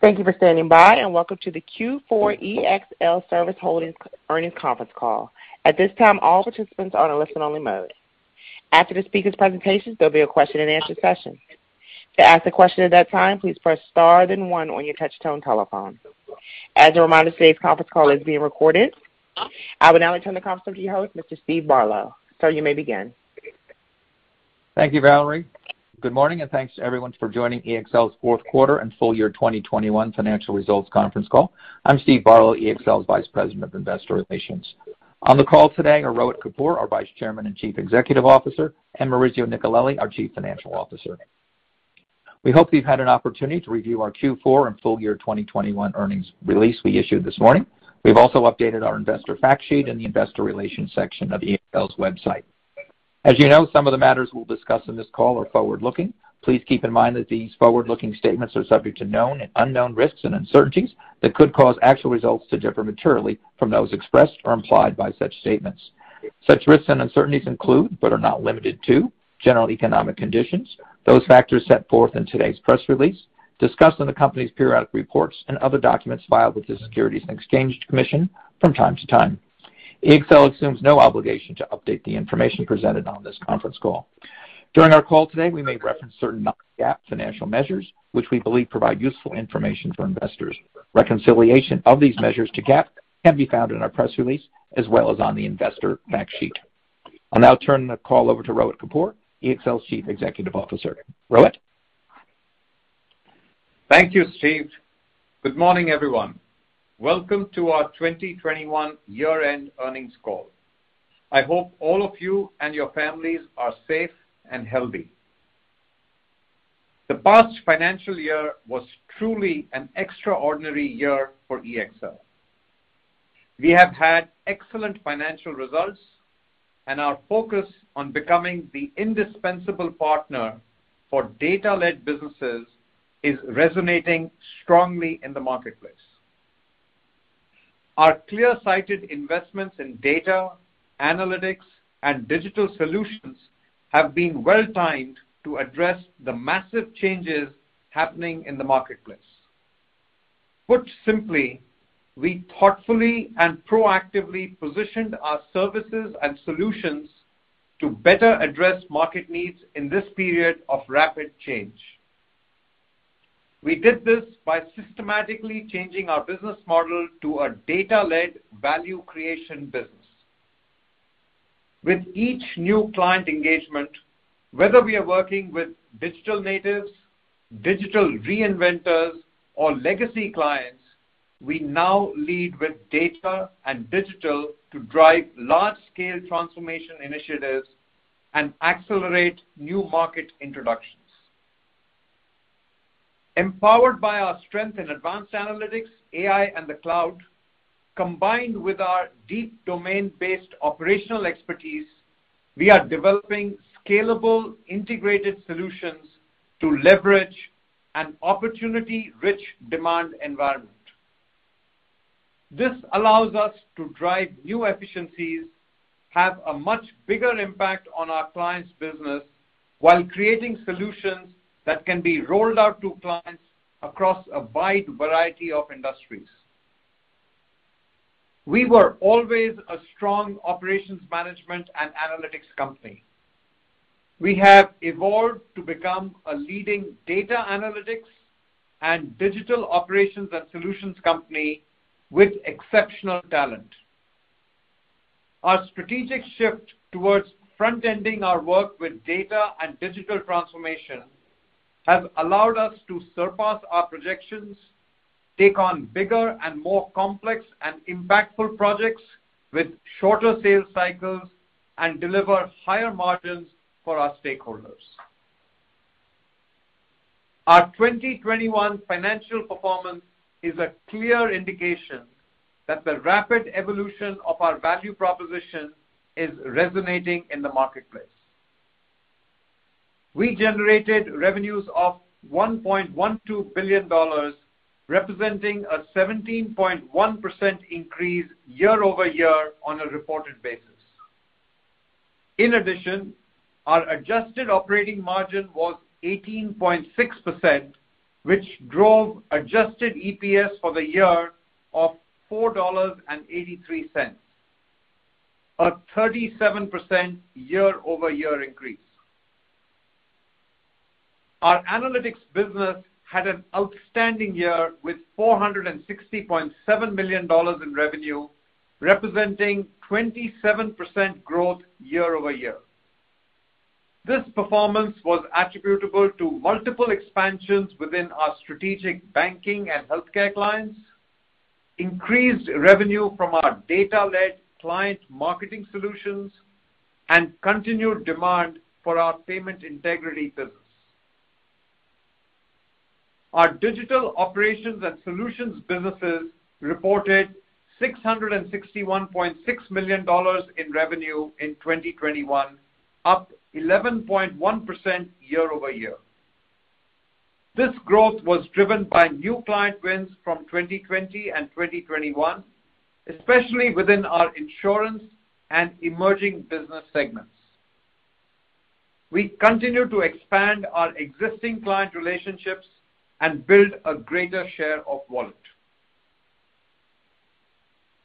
Thank you for standing by, and welcome to the Q4 ExlService Holdings Earnings Conference Call. At this time, all participants are in a listen-only mode. After the speakers' presentations, there'll be a question-and-answer session. To ask a question at that time, please press star then one on your touch tone telephone. As a reminder, today's conference call is being recorded. I will now turn the conference over to your host, Mr. Steve Barlow. Sir, you may begin. Thank you, Valerie. Good morning, and thanks to everyone for joining EXL's fourth quarter and full year 2021 financial results conference call. I'm Steve Barlow, EXL's Vice President of Investor Relations. On the call today are Rohit Kapoor, our Vice Chairman and Chief Executive Officer, and Maurizio Nicolelli, our Chief Financial Officer. We hope you've had an opportunity to review our Q4 and full year 2021 earnings release we issued this morning. We've also updated our investor fact sheet in the investor relations section of EXL's website. As you know, some of the matters we'll discuss in this call are forward-looking. Please keep in mind that these forward-looking statements are subject to known and unknown risks and uncertainties that could cause actual results to differ materially from those expressed or implied by such statements. Such risks and uncertainties include, but are not limited to, general economic conditions, those factors set forth in today's press release, discussed in the company's periodic reports and other documents filed with the Securities and Exchange Commission from time to time. EXL assumes no obligation to update the information presented on this conference call. During our call today, we may reference certain non-GAAP financial measures, which we believe provide useful information for investors. Reconciliation of these measures to GAAP can be found in our press release as well as on the investor fact sheet. I'll now turn the call over to Rohit Kapoor, EXL's Chief Executive Officer. Rohit? Thank you, Steve. Good morning, everyone. Welcome to our 2021 year-end earnings call. I hope all of you and your families are safe and healthy. The past financial year was truly an extraordinary year for EXL. We have had excellent financial results, and our focus on becoming the indispensable partner for data-led businesses is resonating strongly in the marketplace. Our clear-sighted investments in data, analytics, and digital solutions have been well timed to address the massive changes happening in the marketplace. Put simply, we thoughtfully and proactively positioned our services and solutions to better address market needs in this period of rapid change. We did this by systematically changing our business model to a data-led value creation business. With each new client engagement, whether we are working with digital natives, digital reinventors, or legacy clients, we now lead with data and digital to drive large-scale transformation initiatives and accelerate new market introductions. Empowered by our strength in advanced analytics, AI, and the cloud, combined with our deep domain-based operational expertise, we are developing scalable integrated solutions to leverage an opportunity-rich demand environment. This allows us to drive new efficiencies, have a much bigger impact on our clients' business while creating solutions that can be rolled out to clients across a wide variety of industries. We were always a strong operations management and analytics company. We have evolved to become a leading data analytics and Digital Operations and Solutions company with exceptional talent. Our strategic shift towards front-ending our work with data and digital transformation has allowed us to surpass our projections, take on bigger and more complex and impactful projects with shorter sales cycles, and deliver higher margins for our stakeholders. Our 2021 financial performance is a clear indication that the rapid evolution of our value proposition is resonating in the marketplace. We generated revenues of $1.12 billion, representing a 17.1% increase year-over-year on a reported basis. In addition, our adjusted operating margin was 18.6%, which drove adjusted EPS for the year of $4.83, a 37% year-over-year increase. Our analytics business had an outstanding year with $460.7 million in revenue, representing 27% growth year-over-year. This performance was attributable to multiple expansions within our strategic banking and healthcare clients, increased revenue from our data-led client marketing solutions, and continued demand for our payment integrity business. Our Digital Operations and Solutions businesses reported $661.6 million in revenue in 2021, up 11.1% year-over-year. This growth was driven by new client wins from 2020 and 2021, especially within our insurance and emerging business segments. We continue to expand our existing client relationships and build a greater share of wallet.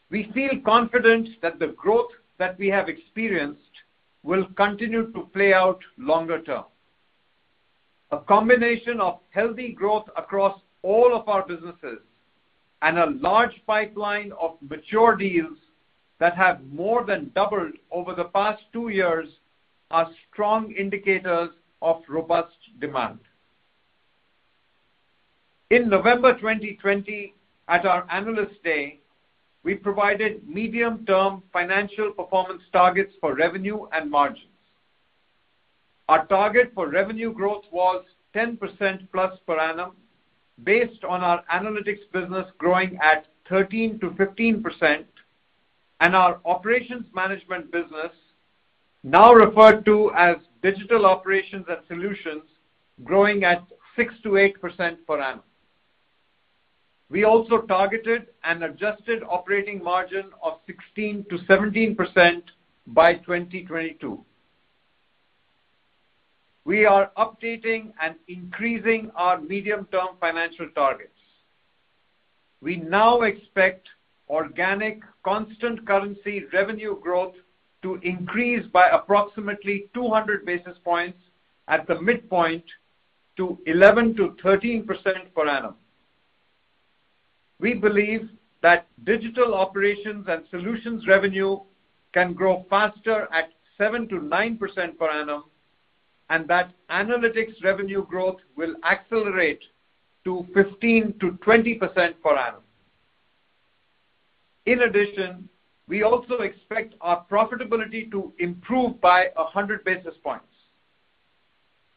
We feel confident that the growth that we have experienced will continue to play out longer term. A combination of healthy growth across all of our businesses and a large pipeline of mature deals that have more than doubled over the past two years are strong indicators of robust demand. In November 2020, at our Analyst Day, we provided medium-term financial performance targets for revenue and margins. Our target for revenue growth was 10%+ per annum based on our analytics business growing at 13%-15% and our operations management business, now referred to as Digital Operations and Solutions, growing at 6%-8% per annum. We also targeted an adjusted operating margin of 16%-17% by 2022. We are updating and increasing our medium-term financial targets. We now expect organic constant currency revenue growth to increase by approximately 200 basis points at the midpoint to 11%-13% per annum. We believe that Digital Operations and Solutions revenue can grow faster at 7%-9% per annum, and that analytics revenue growth will accelerate to 15%-20% per annum. In addition, we also expect our profitability to improve by 100 basis points.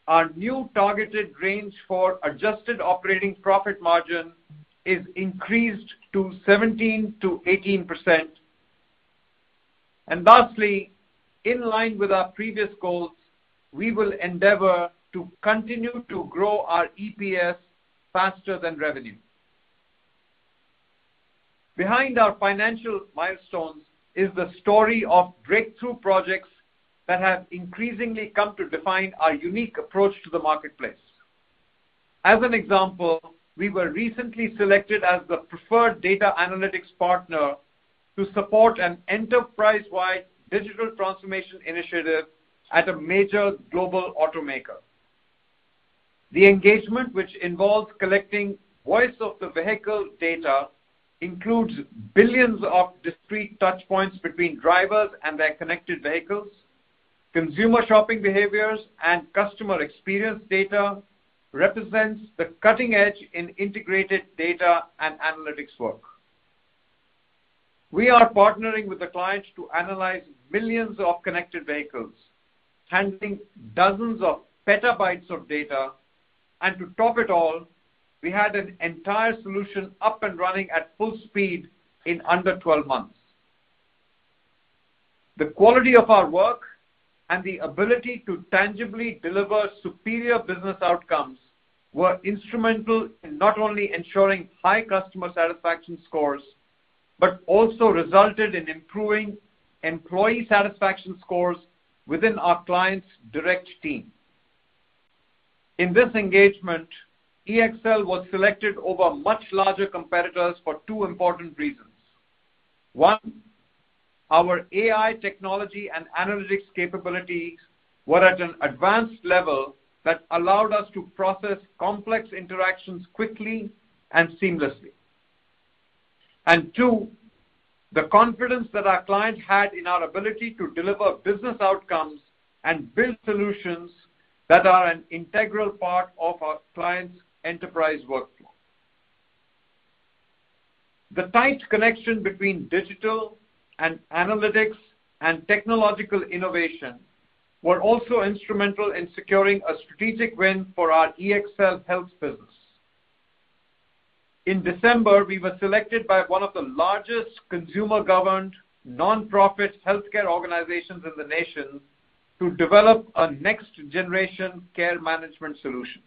Our new targeted range for adjusted operating profit margin is increased to 17%-18%. Lastly, in line with our previous goals, we will endeavor to continue to grow our EPS faster than revenue. Behind our financial milestones is the story of breakthrough projects that have increasingly come to define our unique approach to the marketplace. As an example, we were recently selected as the preferred data analytics partner to support an enterprise-wide digital transformation initiative at a major global automaker. The engagement, which involves collecting voice of the vehicle data, includes billions of discrete touchpoints between drivers and their connected vehicles. Consumer shopping behaviors and customer experience data represent the cutting edge in integrated data and analytics work. We are partnering with the clients to analyze billions of connected vehicles, handling dozens of petabytes of data, and to top it all, we had an entire solution up and running at full speed in under 12 months. The quality of our work and the ability to tangibly deliver superior business outcomes were instrumental in not only ensuring high customer satisfaction scores, but also resulted in improving employee satisfaction scores within our client's direct team. In this engagement, EXL was selected over much larger competitors for two important reasons. One, our AI technology and analytics capabilities were at an advanced level that allowed us to process complex interactions quickly and seamlessly. Two, the confidence that our clients had in our ability to deliver business outcomes and build solutions that are an integral part of our clients' enterprise workflow. The tight connection between digital and analytics and technological innovation were also instrumental in securing a strategic win for our EXL Health business. In December, we were selected by one of the largest consumer-governed nonprofit healthcare organizations in the nation to develop a next-generation care management solution.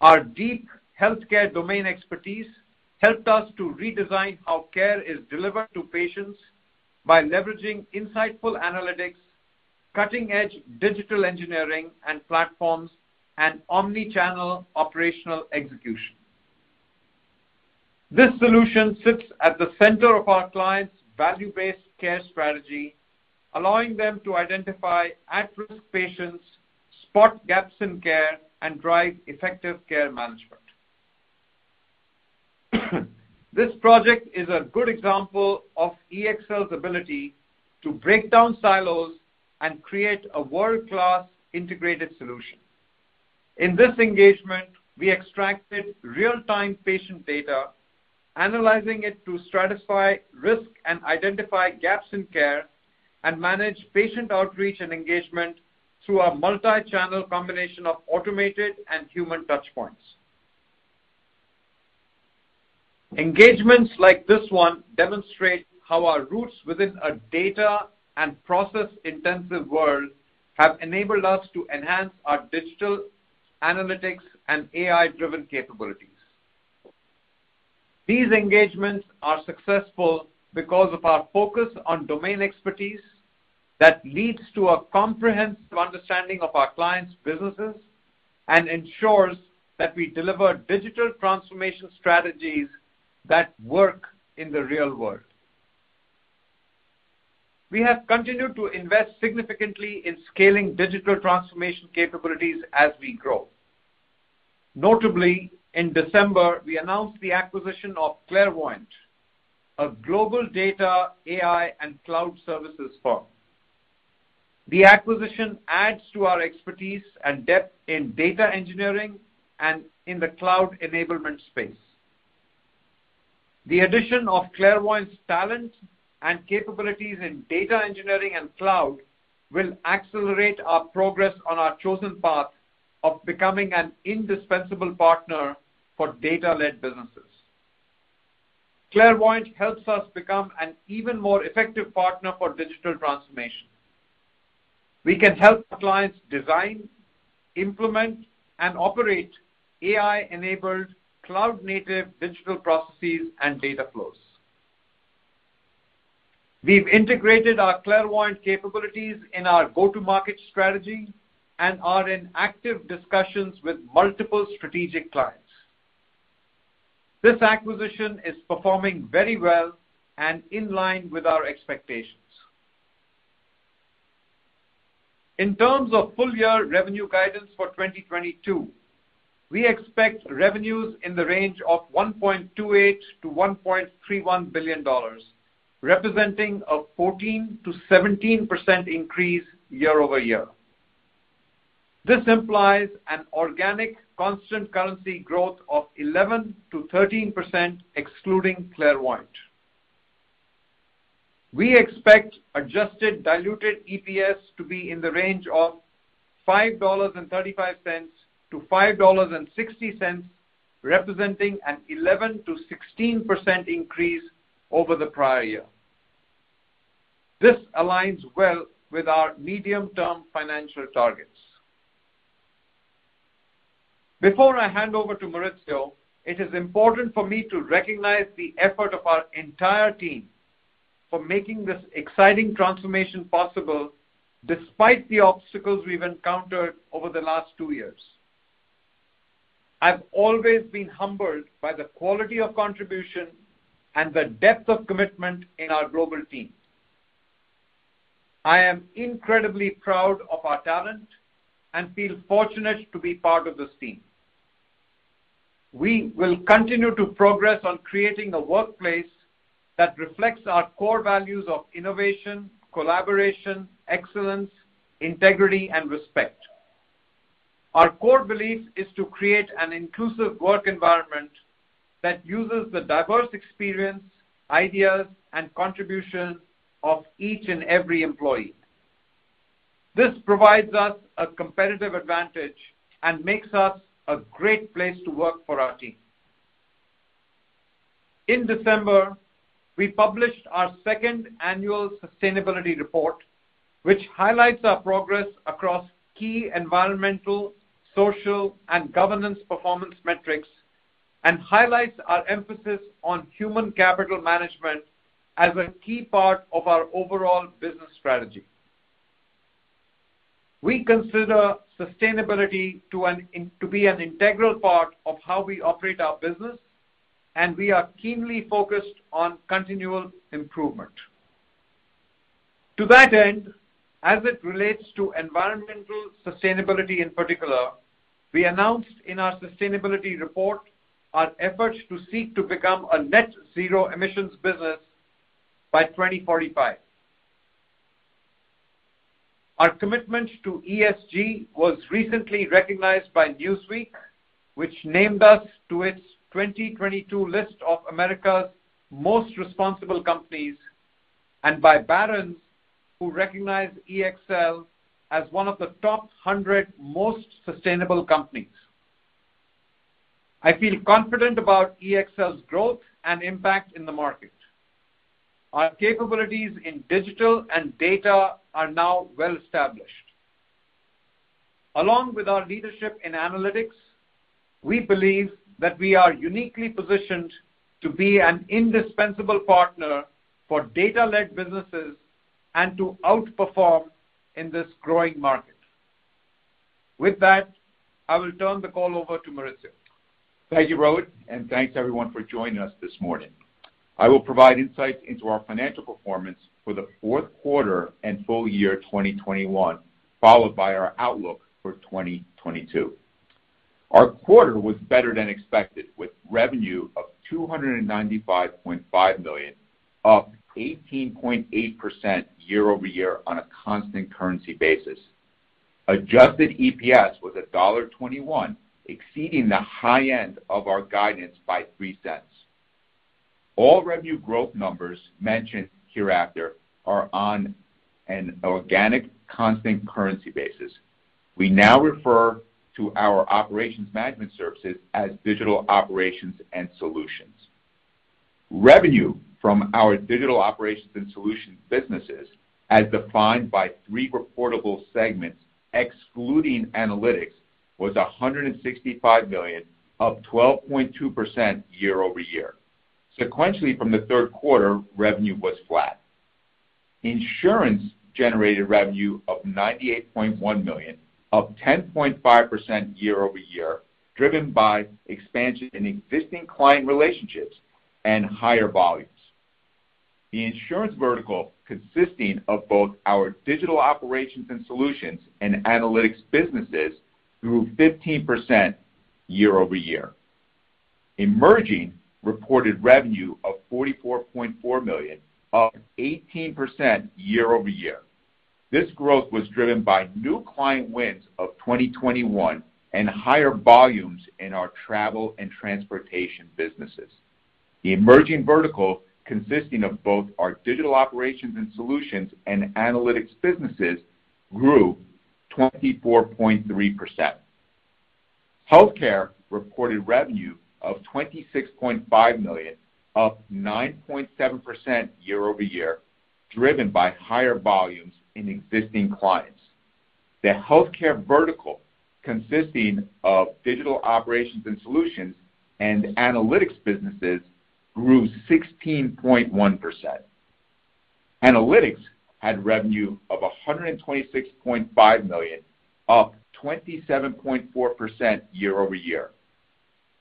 Our deep healthcare domain expertise helped us to redesign how care is delivered to patients by leveraging insightful analytics, cutting-edge digital engineering and platforms, and omnichannel operational execution. This solution sits at the center of our clients' value-based care strategy, allowing them to identify at-risk patients, spot gaps in care, and drive effective care management. This project is a good example of EXL's ability to break down silos and create a world-class integrated solution. In this engagement, we extracted real-time patient data, analyzing it to stratify risk and identify gaps in care, and manage patient outreach and engagement through a multi-channel combination of automated and human touchpoints. Engagements like this one demonstrate how our roots within a data and process-intensive world have enabled us to enhance our digital analytics and AI-driven capabilities. These engagements are successful because of our focus on domain expertise that leads to a comprehensive understanding of our clients' businesses and ensures that we deliver digital transformation strategies that work in the real world. We have continued to invest significantly in scaling digital transformation capabilities as we grow. Notably, in December, we announced the acquisition of Clairvoyant, a global data, AI, and cloud services firm. The acquisition adds to our expertise and depth in data engineering and in the cloud enablement space. The addition of Clairvoyant's talent and capabilities in data engineering and cloud will accelerate our progress on our chosen path of becoming an indispensable partner for data-led businesses. Clairvoyant helps us become an even more effective partner for digital transformation. We can help clients design, implement, and operate AI-enabled cloud-native digital processes and data flows. We've integrated our Clairvoyant capabilities in our go-to-market strategy and are in active discussions with multiple strategic clients. This acquisition is performing very well and in line with our expectations. In terms of full-year revenue guidance for 2022, we expect revenues in the range of $1.28 billion-$1.31 billion, representing a 14%-17% increase year-over-year. This implies an organic constant-currency growth of 11%-13%, excluding Clairvoyant. We expect adjusted diluted EPS to be in the range of $5.35-$5.60, representing an 11%-16% increase over the prior year. This aligns well with our medium-term financial targets. Before I hand over to Maurizio, it is important for me to recognize the effort of our entire team for making this exciting transformation possible despite the obstacles we've encountered over the last two years. I've always been humbled by the quality of contribution and the depth of commitment in our global team. I am incredibly proud of our talent and feel fortunate to be part of this team. We will continue to progress on creating a workplace that reflects our core values of innovation, collaboration, excellence, integrity, and respect. Our core belief is to create an inclusive work environment that uses the diverse experiences, ideas, and contributions of each and every employee. This provides us a competitive advantage and makes us a great place to work for our team. In December, we published our second annual sustainability report, which highlights our progress across key environmental, social, and governance performance metrics, and highlights our emphasis on human capital management as a key part of our overall business strategy. We consider sustainability to be an integral part of how we operate our business, and we are keenly focused on continual improvement. To that end, as it relates to environmental sustainability in particular, we announced in our sustainability report our efforts to seek to become a net-zero emissions business by 2045. Our commitment to ESG was recently recognized by Newsweek, which named us to its 2022 list of America's most responsible companies, and by Barron's, who recognized EXL as one of the top 100 most sustainable companies. I feel confident about EXL's growth and impact in the market. Our capabilities in digital and data are now well established. Along with our leadership in analytics, we believe that we are uniquely positioned to be an indispensable partner for data-led businesses and to outperform in this growing market. With that, I will turn the call over to Maurizio. Thank you, Rohit, and thanks, everyone, for joining us this morning. I will provide insights into our financial performance for the fourth quarter and full year 2021, followed by our outlook for 2022. Our quarter was better than expected, with revenue of $295.5 million, up 18.8% year-over-year on a constant currency basis. Adjusted EPS was $1.21, exceeding the high end of our guidance by $0.03. All revenue growth numbers mentioned hereafter are on an organic constant currency basis. We now refer to our operations management services as Digital Operations and Solutions. Revenue from our Digital Operations and Solutions businesses, as defined by three reportable segments excluding analytics, was $165 million, up 12.2% year-over-year. Sequentially from the third quarter, revenue was flat. Insurance generated revenue of $98.1 million, up 10.5% year-over-year, driven by expansion in existing client relationships and higher volumes. The insurance vertical, consisting of both our Digital Operations and Solutions and analytics businesses, grew 15% year-over-year. Emerging reported revenue of $44.4 million, up 18% year-over-year. This growth was driven by new client wins of 2021 and higher volumes in our travel and transportation businesses. The emerging vertical, consisting of both our Digital Operations and Solutions and analytics businesses, grew 24.3%. Healthcare reported revenue of $26.5 million, up 9.7% year-over-year, driven by higher volumes in existing clients. The healthcare vertical, consisting of Digital Operations and Solutions and analytics businesses, grew 16.1%. Analytics had revenue of $126.5 million, up 27.4% year-over-year.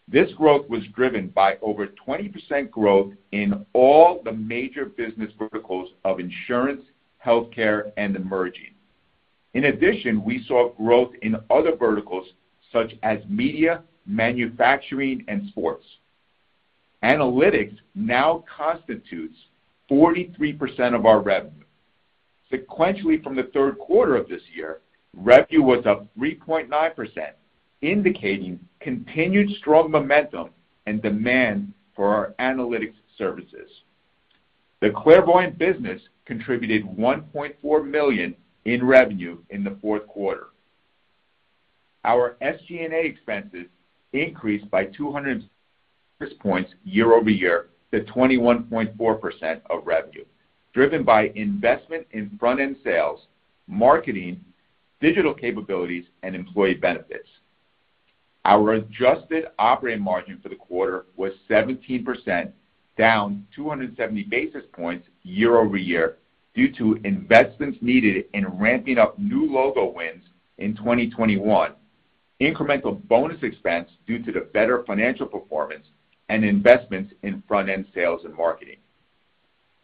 This growth was driven by over 20% growth in all the major business verticals of insurance, healthcare, and emerging. In addition, we saw growth in other verticals such as media, manufacturing, and sports. Analytics now constitutes 43% of our revenue. Sequentially from the third quarter of this year, revenue was up 3.9%, indicating continued strong momentum and demand for our analytics services. The Clairvoyant business contributed $1.4 million in revenue in the fourth quarter. Our SG&A expenses increased by 200 basis points year-over-year to 21.4% of revenue, driven by investment in front-end sales, marketing, digital capabilities, and employee benefits. Our adjusted operating margin for the quarter was 17%, down 270 basis points year-over-year due to investments needed in ramping up new logo wins in 2021, incremental bonus expense due to the better financial performance, and investments in front-end sales and marketing.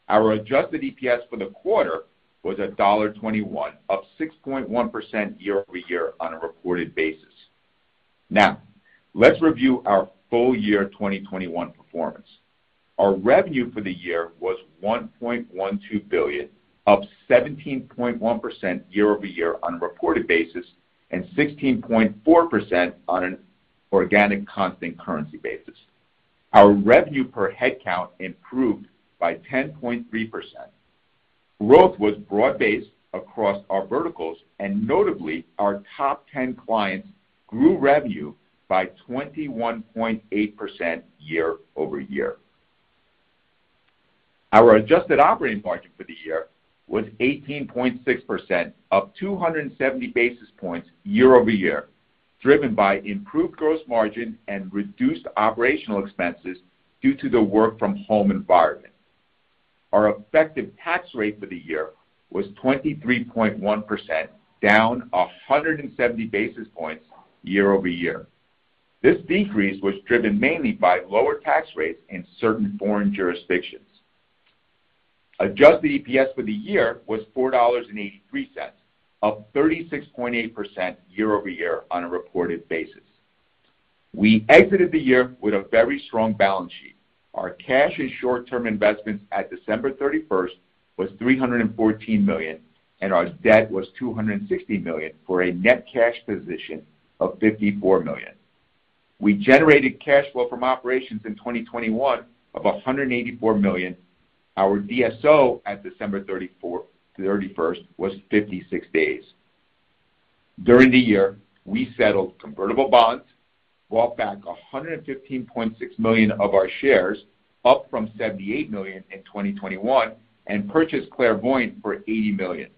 Our adjusted EPS for the quarter was $1.21, up 6.1% year-over-year on a reported basis. Now, let's review our full year 2021 performance. Our revenue for the year was $1.12 billion, up 17.1% year-over-year on a reported basis and 16.4% on an organic constant currency basis. Our revenue per headcount improved by 10.3%. Growth was broad-based across our verticals, and notably, our top ten clients grew revenue by 21.8% year-over-year. Our adjusted operating margin for the year was 18.6%, up 270 basis points year-over-year, driven by improved gross margin and reduced operational expenses due to the work from home environment. Our effective tax rate for the year was 23.1%, down 170 basis points year-over-year. This decrease was driven mainly by lower tax rates in certain foreign jurisdictions. Adjusted EPS for the year was $4.83, up 36.8% year-over-year on a reported basis. We exited the year with a very strong balance sheet. Our cash and short-term investments at December 31 was $314 million, and our debt was $260 million, for a net cash position of $54 million. We generated cash flow from operations in 2021 of $184 million. Our DSO at December 31st was 56 days. During the year, we settled convertible bonds, bought back $115.6 million of our shares, up from $78 million in 2021, and purchased Clairvoyant for $80 million.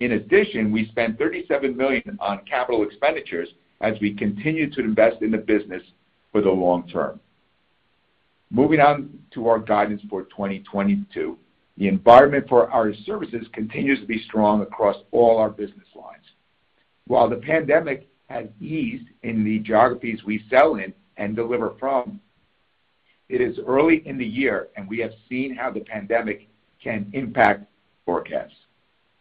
In addition, we spent $37 million on capital expenditures as we continue to invest in the business for the long term. Moving on to our guidance for 2022. The environment for our services continues to be strong across all our business lines. While the pandemic has eased in the geographies we sell in and deliver from, it is early in the year, and we have seen how the pandemic can impact forecasts.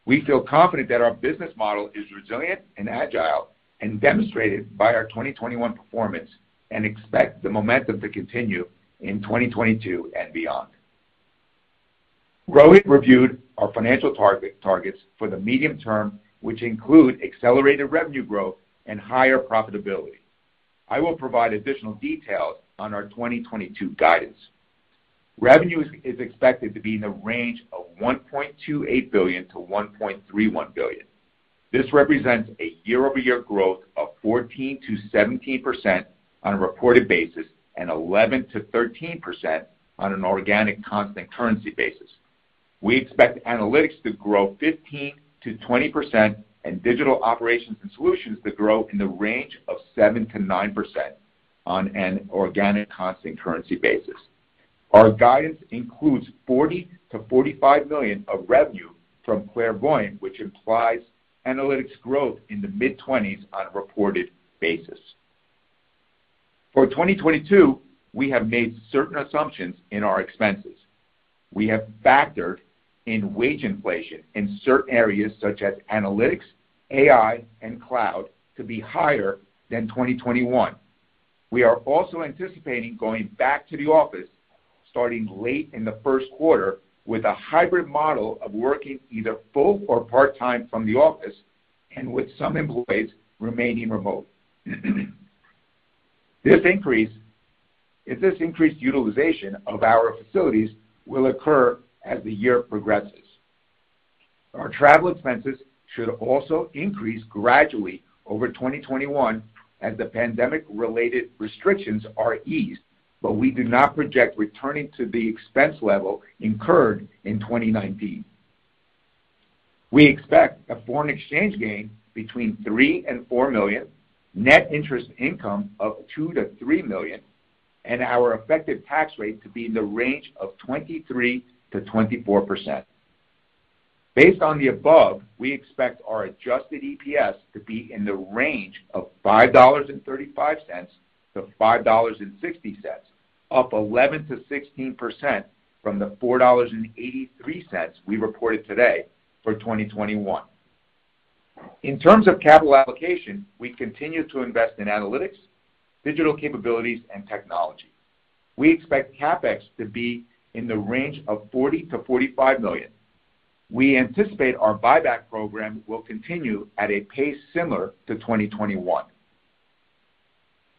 We feel confident that our business model is resilient and agile, and demonstrated by our 2021 performance, and expect the momentum to continue in 2022 and beyond. Rohit reviewed our financial target, targets for the medium term, which include accelerated revenue growth and higher profitability. I will provide additional details on our 2022 guidance. Revenue is expected to be in the range of $1.28 billion-$1.31 billion. This represents a year-over-year growth of 14%-17% on a reported basis, and 11%-13% on an organic constant currency basis. We expect Analytics to grow 15%-20% and Digital Operations and Solutions to grow in the range of 7%-9% on an organic constant currency basis. Our guidance includes $40 million-$45 million of revenue from Clairvoyant, which implies analytics growth in the mid-20s% on a reported basis. For 2022, we have made certain assumptions in our expenses. We have factored in wage inflation in certain areas such as analytics, AI, and cloud to be higher than 2021. We are also anticipating going back to the office starting late in the first quarter with a hybrid model of working either full or part-time from the office and with some employees remaining remote. This increased utilization of our facilities will occur as the year progresses. Our travel expenses should also increase gradually over 2021 as the pandemic-related restrictions are eased, but we do not project returning to the expense level incurred in 2019. We expect a foreign exchange gain between $3 million-$4 million, net interest income of $2 million-$3 million, and our effective tax rate to be in the range of 23%-24%. Based on the above, we expect our adjusted EPS to be in the range of $5.35-$5.60, up 11%-16% from the $4.83 we reported today for 2021. In terms of capital allocation, we continue to invest in analytics, digital capabilities, and technology. We expect CapEx to be in the range of $40 million-$45 million. We anticipate our buyback program will continue at a pace similar to 2021.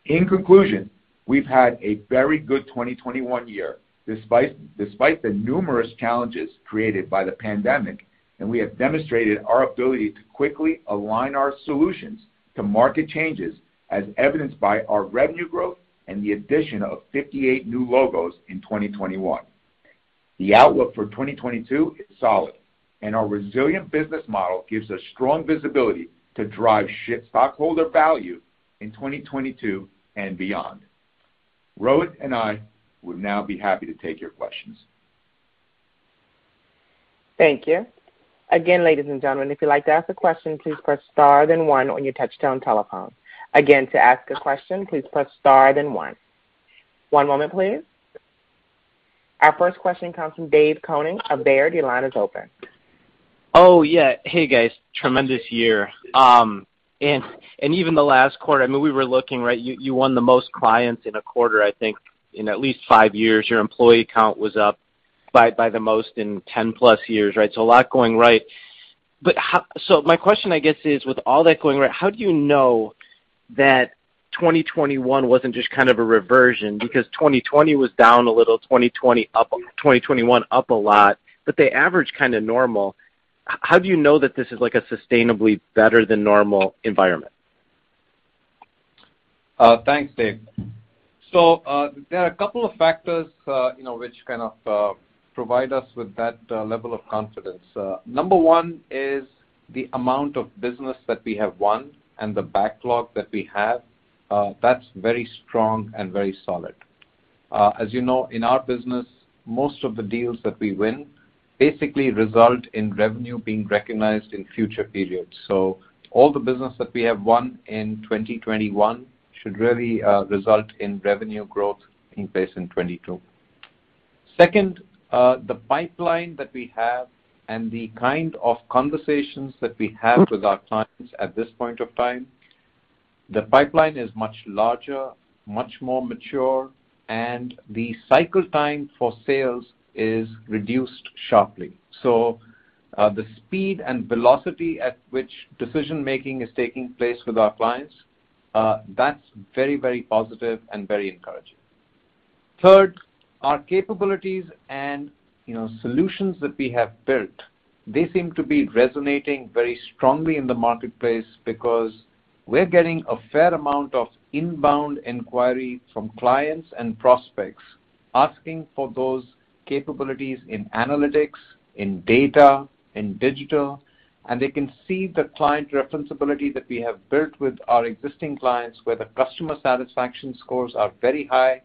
In conclusion, we've had a very good 2021 year despite the numerous challenges created by the pandemic, and we have demonstrated our ability to quickly align our solutions to market changes, as evidenced by our revenue growth and the addition of 58 new logos in 2021. The outlook for 2022 is solid, and our resilient business model gives us strong visibility to drive shareholder value in 2022 and beyond. Rohit and I would now be happy to take your questions. Thank you. Again, ladies and gentlemen, if you'd like to ask a question, please press star then one on your touch-tone telephone. Again, to ask a question, please press star then one. One moment, please. Our first question comes from Dave Koning of Baird. Your line is open. Oh, yeah. Hey, guys. Tremendous year. Even the last quarter, I mean, we were looking, right? You won the most clients in a quarter, I think, in at least five years. Your employee count was up by the most in 10+ years, right? A lot is going right. My question, I guess, is with all that going right, how do you know that 2021 wasn't just kind of a reversion? Because 2020 was down a little, 2021 up a lot, but they average kinda normal. How do you know that this is like a sustainably better than normal environment? Thanks, Dave. There are a couple of factors, you know, which kind of provide us with that level of confidence. Number one, is the amount of business that we have won and the backlog that we have. That's very strong and very solid. As you know, in our business, most of the deals that we win basically result in revenue being recognized in future periods. All the business that we have won in 2021 should really result in revenue growth in place in 2022. Second, the pipeline that we have and the kind of conversations that we have with our clients at this point of time, the pipeline is much larger, much more mature, and the cycle time for sales is reduced sharply. The speed and velocity at which decision-making is taking place with our clients—that's very, very positive and very encouraging. Third, our capabilities and, you know, solutions that we have built, they seem to be resonating very strongly in the marketplace because we're getting a fair amount of inbound inquiry from clients and prospects asking for those capabilities in analytics, in data, in digital, and they can see the client referenceability that we have built with our existing clients, where the customer satisfaction scores are very high.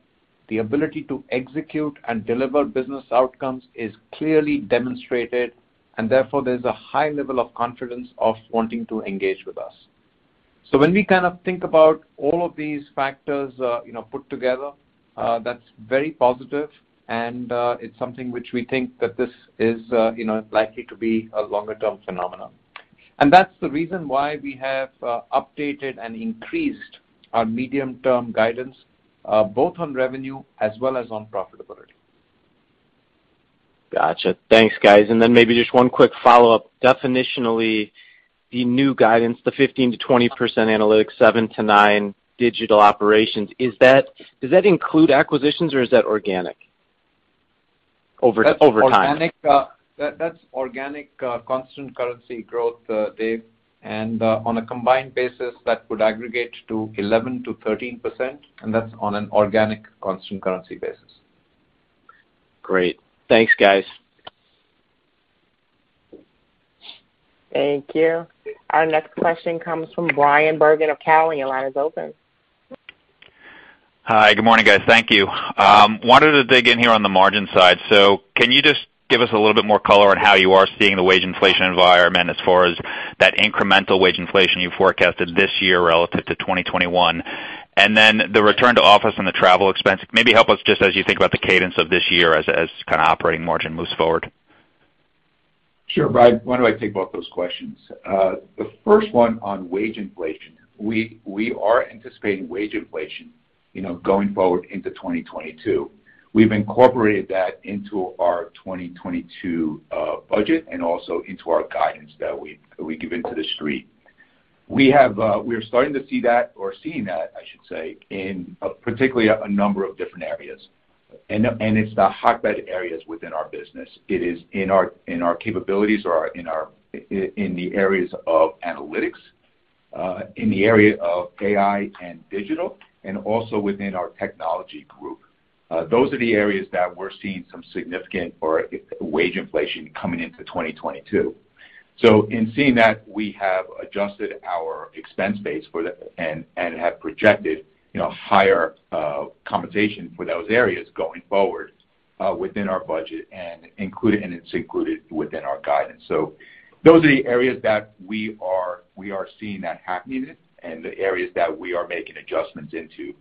The ability to execute and deliver business outcomes is clearly demonstrated, and therefore there's a high level of confidence of wanting to engage with us. When we kind of think about all of these factors, you know, put together, that's very positive, and, it's something which we think that this is, you know, likely to be a longer term phenomenon. That's the reason why we have updated and increased our medium-term guidance, both on revenue as well as on profitability. Gotcha. Thanks, guys. Maybe just one quick follow-up. Definitionally, the new guidance, the 15%-20% analytics, 7%-9% digital operations, is that, does that include acquisitions, or is that organic? That's organic constant currency growth, Dave. On a combined basis, that would aggregate to 11%-13%, and that's on an organic constant currency basis. Great. Thanks, guys. Thank you. Our next question comes from Bryan Bergin of Cowen. Your line is open. Hi, good morning, guys. Thank you. I wanted to dig in here on the margin side. Can you just give us a little bit more color on how you are seeing the wage inflation environment as far as that incremental wage inflation you forecasted this year relative to 2021? Then the return to office and the travel expense, maybe help us just as you think about the cadence of this year as kinda operating margin moves forward. Sure, Bryan. Why don't I take both those questions? The first one on wage inflation. We are anticipating wage inflation, you know, going forward into 2022. We've incorporated that into our 2022 budget and also into our guidance that we give to the Street. We are starting to see that, I should say, in particular, a number of different areas. It's the hotbed areas within our business. It is in our capabilities in the areas of analytics, in the area of AI and digital, and also within our technology group. Those are the areas that we're seeing some significant wage inflation coming into 2022. In seeing that, we have adjusted our expense base for that and have projected, you know, higher compensation for those areas going forward within our budget, and it's included within our guidance. Those are the areas that we are seeing that happening in and the areas that we are making adjustments into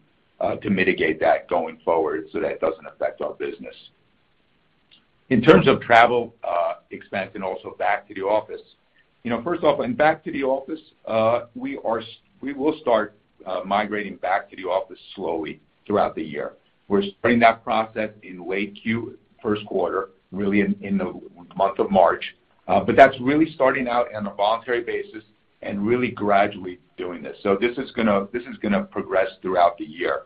to mitigate that going forward so that it doesn't affect our business. In terms of travel expense and also back to the office, you know, first off, in back to the office, we will start migrating back to the office slowly throughout the year. We're starting that process in late Q1 first quarter, really in the month of March. That's really starting out on a voluntary basis and really gradually doing this. This is gonna progress throughout the year.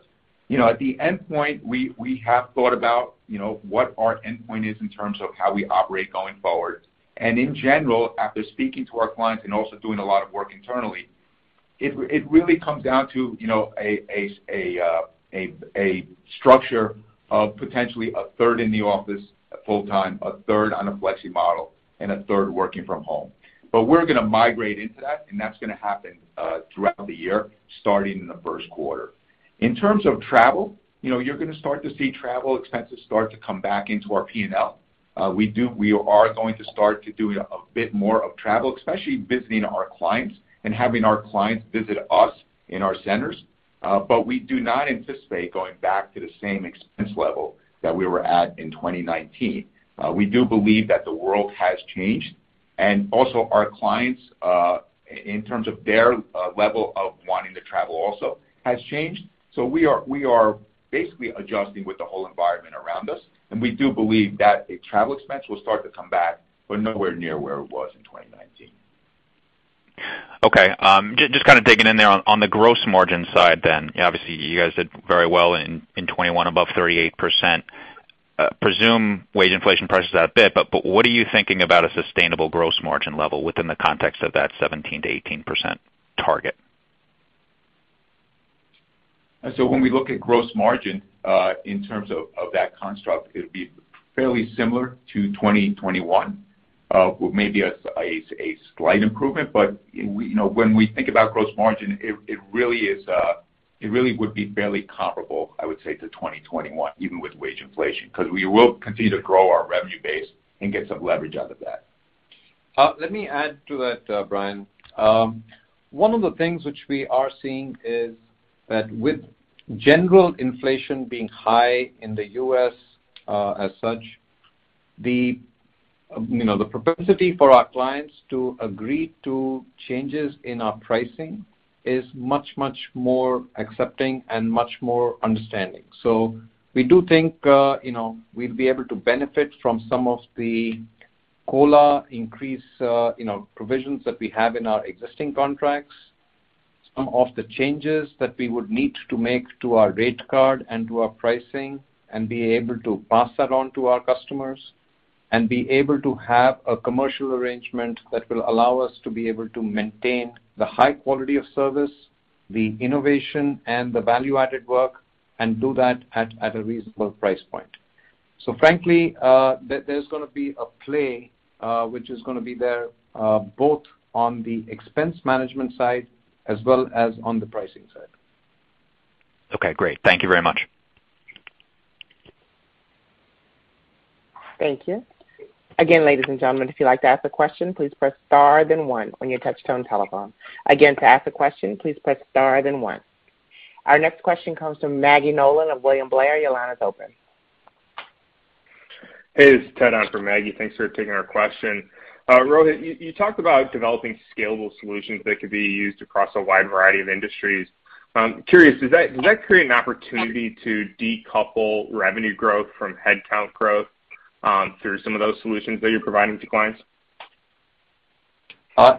You know, at the endpoint, we have thought about, you know, what our endpoint is in terms of how we operate going forward. In general, after speaking to our clients and also doing a lot of work internally, it really comes down to, you know, a structure of potentially a third in the office full-time, a third on a flexi model, and a third working from home. We're gonna migrate into that, and that's gonna happen throughout the year, starting in the first quarter. In terms of travel, you know, you're gonna start to see travel expenses start to come back into our P&L. We are going to start to do a bit more of travel, especially visiting our clients and having our clients visit us in our centers. We do not anticipate going back to the same expense level that we were at in 2019. We do believe that the world has changed, and also our clients, in terms of their level of wanting to travel also has changed. We are basically adjusting with the whole environment around us, and we do believe that a travel expense will start to come back, but nowhere near where it was in 2019. Okay. Just kinda digging in there. On the gross margin side, obviously, you guys did very well in 2021, above 38%. Presume wage inflation pressures that a bit, but what are you thinking about a sustainable gross margin level within the context of that 17%-18% target? When we look at gross margin, in terms of that construct, it would be fairly similar to 2021, with maybe a slight improvement. You know, when we think about gross margin, it really would be fairly comparable, I would say, to 2021, even with wage inflation, 'cause we will continue to grow our revenue base and get some leverage out of that. Let me add to that, Bryan. One of the things which we are seeing is that with general inflation being high in the U.S., as such, the, you know, the propensity for our clients to agree to changes in our pricing is much, much more accepting and much more understanding. We do think, you know, we'll be able to benefit from some of the COLA increase, you know, provisions that we have in our existing contracts, some of the changes that we would need to make to our rate card and to our pricing, and be able to pass that on to our customers and be able to have a commercial arrangement that will allow us to be able to maintain the high quality of service, the innovation, and the value-added work and do that at a reasonable price point. Frankly, there's gonna be a play both on the expense management side as well as on the pricing side. Okay, great. Thank you very much. Thank you. Again, ladies and gentlemen, if you'd like to ask a question, please press star then one on your touch-tone telephone. Again, to ask a question, please press star then one. Our next question comes from Maggie Nolan of William Blair. Your line is open. Hey, this is Ted on for Maggie. Thanks for taking our question. Rohit, you talked about developing scalable solutions that could be used across a wide variety of industries. Curious, does that create an opportunity to decouple revenue growth from headcount growth through some of those solutions that you're providing to clients?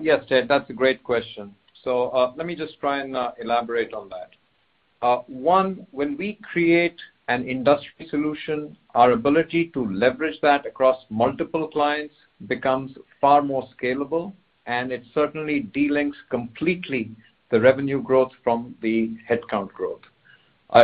Yes, Ted, that's a great question. Let me just try and elaborate on that. One, when we create an industry solution, our ability to leverage that across multiple clients becomes far more scalable, and it certainly delinks completely the revenue growth from the headcount growth.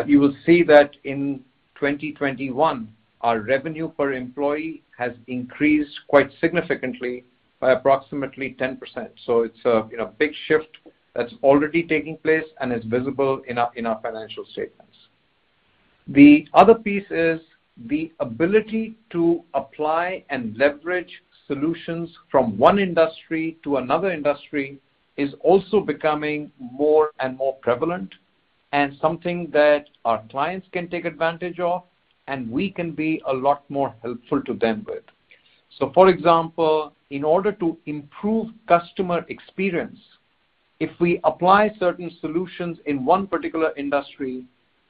You will see that in 2021, our revenue per employee has increased quite significantly by approximately 10%. It's a, you know, big shift that's already taking place and is visible in our financial statements. The other piece is the ability to apply and leverage solutions from one industry to another industry is also becoming more and more prevalent and something that our clients can take advantage of, and we can be a lot more helpful to them with. For example, in order to improve customer experience, if we apply certain solutions in one particular industry,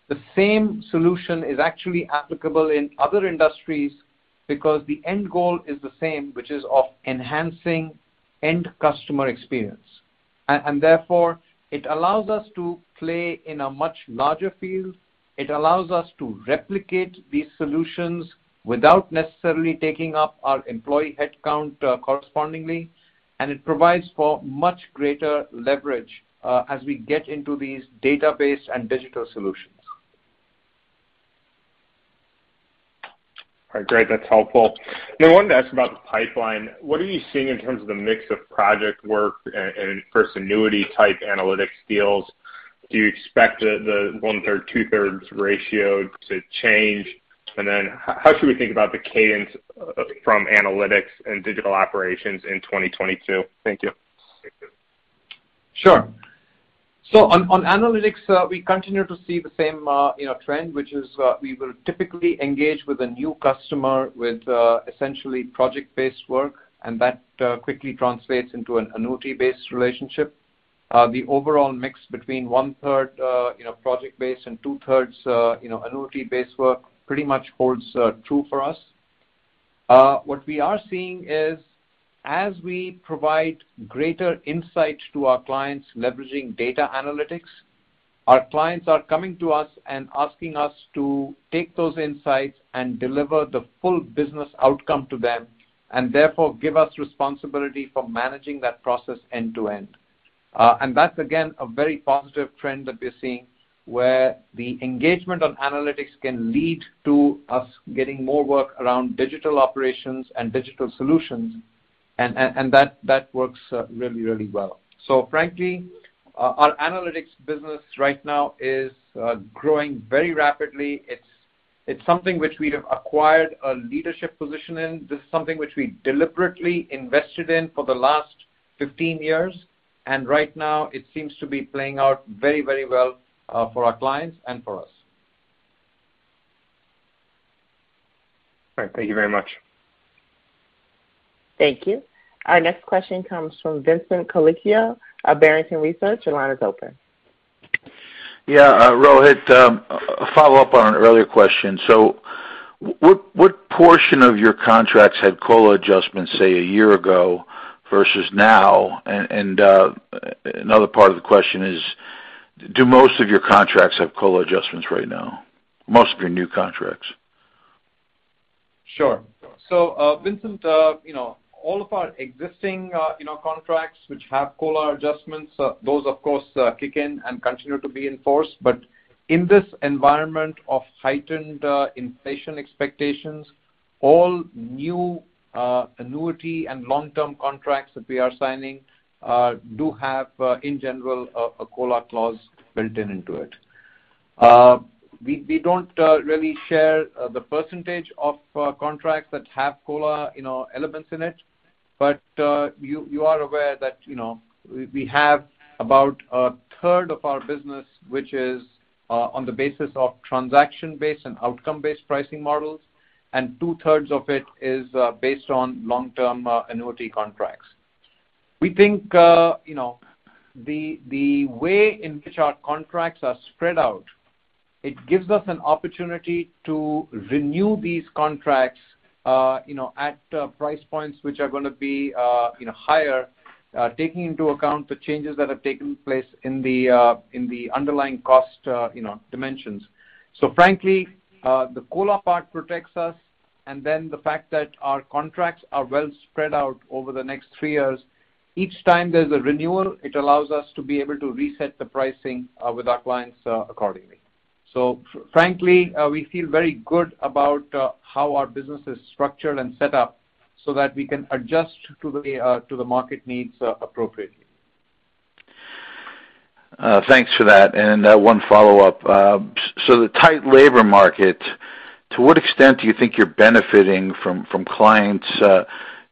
the same solution is actually applicable in other industries because the end goal is the same, which is of enhancing end customer experience. Therefore, it allows us to play in a much larger field. It allows us to replicate these solutions without necessarily taking up our employee headcount correspondingly. It provides for much greater leverage as we get into these database and digital solutions. All right. Great. That's helpful. Now, I wanna ask about the pipeline. What are you seeing in terms of the mix of project work and first annuity-type analytics deals? Do you expect the 1/3, 2/3 ratio to change? How should we think about the cadence from analytics and digital operations in 2022? Thank you. Sure. On analytics, we continue to see the same, you know, trend, which is, we will typically engage with a new customer with, essentially, project-based work, and that, quickly translates into an annuity-based relationship. The overall mix between 1/3, you know, project-based and 2/3, you know, annuity-based work pretty much holds true for us. What we are seeing is as we provide greater insight to our clients leveraging data analytics, our clients are coming to us and asking us to take those insights and deliver the full business outcome to them, and therefore give us responsibility for managing that process end to end. That's again a very positive trend that we're seeing, where the engagement on analytics can lead to us getting more work around digital operations and digital solutions, and that works really, really well. Frankly, our analytics business right now is growing very rapidly. It's something which we have acquired a leadership position in. This is something which we deliberately invested in for the last 15 years. Right now it seems to be playing out very, very well for our clients and for us. All right. Thank you very much. Thank you. Our next question comes from Vincent Colicchio of Barrington Research. Your line is open. Rohit, follow up on an earlier question. What portion of your contracts had COLA adjustments, say, a year ago versus now? Another part of the question is, do most of your contracts have COLA adjustments right now, most of your new contracts? Sure. Vincent, you know, all of our existing, you know, contracts which have COLA adjustments, those, of course, kick in and continue to be enforced. In this environment of heightened inflation expectations, all new annuity and long-term contracts that we are signing do have, in general, a COLA clause built into it. We don't really share the percentage of contracts that have COLA, you know, elements in it. You are aware that, you know, we have about 1/3 of our business, which is on the basis of transaction-based and outcome-based pricing models, and 2/3 of it is based on long-term annuity contracts. We think, you know, the way in which our contracts are spread out, it gives us an opportunity to renew these contracts, you know, at price points which are gonna be, you know, higher, taking into account the changes that have taken place in the underlying cost, you know, dimensions. Frankly, the COLA part protects us, and then the fact that our contracts are well spread out over the next three years, each time there's a renewal, it allows us to be able to reset the pricing with our clients accordingly. Frankly, we feel very good about how our business is structured and set up so that we can adjust to the market needs appropriately. Thanks for that. One follow-up. The tight labor market—to what extent do you think you're benefiting from clients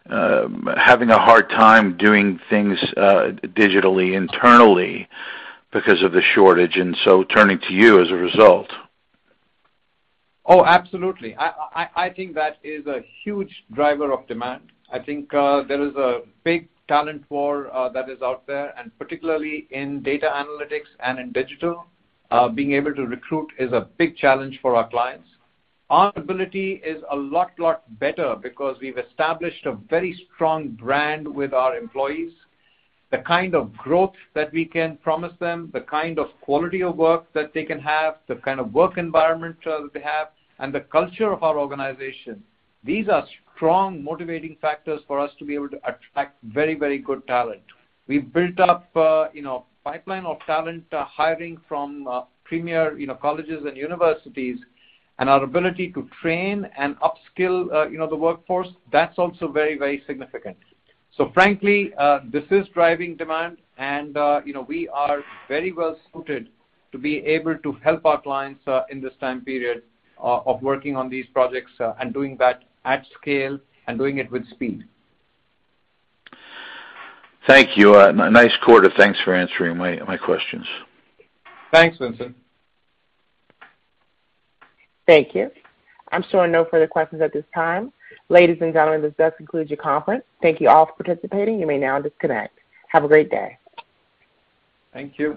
having a hard time doing things digitally internally because of the shortage and so turning to you as a result? Oh, absolutely. I think that is a huge driver of demand. I think there is a big talent war that is out there, and particularly in data analytics and in digital. Being able to recruit is a big challenge for our clients. Our ability is a lot better because we've established a very strong brand with our employees. The kind of growth that we can promise them, the kind of quality of work that they can have, the kind of work environment that they have, and the culture of our organization. These are strong motivating factors for us to be able to attract very, very good talent. We've built up, you know, pipeline of talent hiring from premier, you know, colleges and universities, and our ability to train and upskill, you know, the workforce, that's also very, very significant. Frankly, this is driving demand, and, you know, we are very well suited to be able to help our clients in this time period of working on these projects and doing that at scale and doing it with speed. Thank you. Nice quarter. Thanks for answering my questions. Thanks, Vincent. Thank you. I'm showing no further questions at this time. Ladies and gentlemen, this does conclude your conference. Thank you all for participating. You may now disconnect. Have a great day. Thank you.